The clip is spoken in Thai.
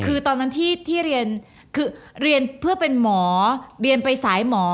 คือตอนนั้นที่เรียนคือเรียนเพื่อเป็นหมอเรียนไปสายหมอ